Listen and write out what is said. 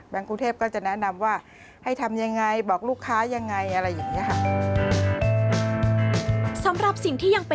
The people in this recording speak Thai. แบงก์กรุงเทพก็จะแนะนำว่าให้ทำอย่างไร